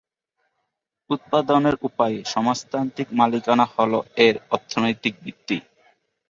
উৎপাদনের উপায়ে সমাজতান্ত্রিক মালিকানা হলো এর অর্থনৈতিক ভিত্তি।